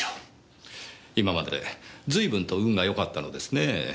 今まで随分と運がよかったのですねえ。